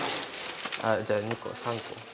あっじゃあ２個３個。